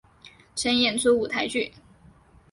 曾演出舞台剧。